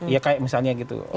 ya kayak misalnya gitu